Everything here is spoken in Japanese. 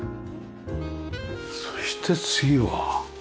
そして次は。